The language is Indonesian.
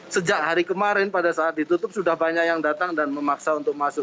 sejak hari kemarin pada saat ditutup sudah banyak yang datang dan memaksa untuk masuk